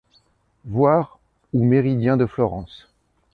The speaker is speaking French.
Voir ou Méridien de Florence.